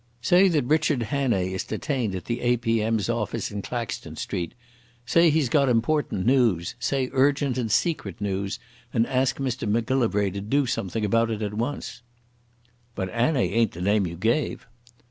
"Say that Richard Hannay is detained at the A.P.M."s office in Claxton Street. Say he's got important news—say urgent and secret news—and ask Mr Macgillivray to do something about it at once." "But 'Annay ain't the name you gave."